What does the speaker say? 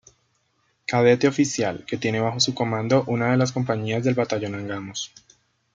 Cadete Oficial que tiene bajo su comando una de las compañías del Batallón Angamos.